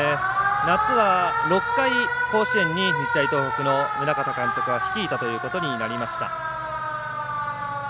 夏は６回甲子園に日大東北の宗像監督は率いたということになりました。